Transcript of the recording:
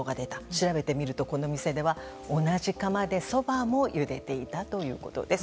調べてみるとこの店では同じ釜でそばもゆでていたということです。